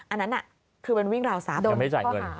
อันนั้นคือเป็นวิ่งราวทรัพย์